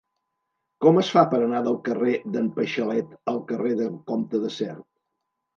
Com es fa per anar del carrer d'en Paixalet al carrer del Comte de Sert?